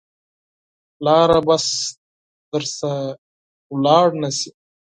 پلاره بس درنه لاړ نه شې.